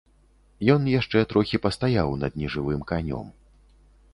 Ён яшчэ трохі пастаяў над нежывым канём.